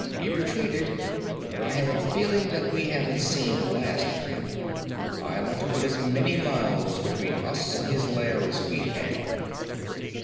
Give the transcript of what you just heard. He retreated, but I have a feeling that we haven't seen the last of him. I want to put as many miles between us and his lair as we can.'